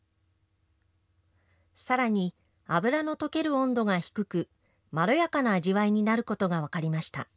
さらに、脂の溶ける温度が低く、まろやかな味わいになることが分かりました。